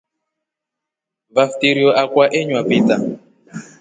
Vafitrio akwa eywa peter.